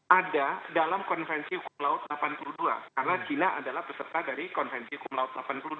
ada dalam konvensi hukum laut delapan puluh dua karena china adalah peserta dari konvensi hukum laut delapan puluh dua